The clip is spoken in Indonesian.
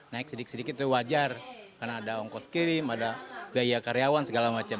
naik sedikit sedikit itu wajar karena ada ongkos kirim ada biaya karyawan segala macam